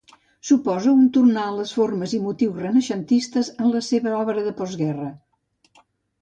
Suposa un tornar a les formes i motius renaixentistes en la seva obra de postguerra.